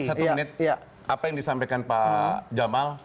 satu menit apa yang disampaikan pak jamal